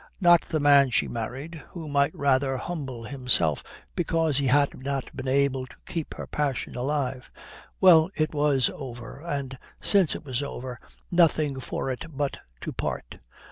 Not the man she married, who might rather humble himself because he had not been able to keep her passion alive. Well, it was over, and since it was over, nothing for it but to part.